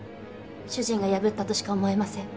主人が破ったとしか思えません。